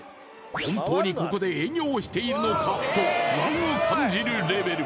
本当にここで営業しているのかと不安を感じるレベル。